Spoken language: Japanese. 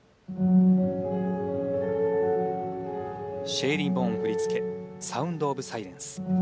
シェイリーン・ボーン振り付け『サウンド・オブ・サイレンス』。